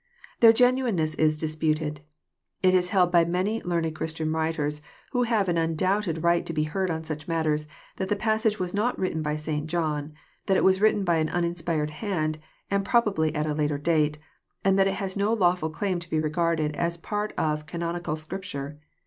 Their p;enuineuess is disputed. — It is held by many learned Christian writers, who have an undoubted right to be heard on such matters, that the passage was not written by St. Jolm. that it was written by an uninspired hand, and probably at a later date, and that it has uo lawful claim to be regarded as a part of canonical Scripture.